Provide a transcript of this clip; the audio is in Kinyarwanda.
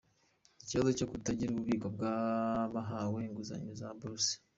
Ikibazo cyo kutagira ububiko bw’abahawe inguzanyo za buruse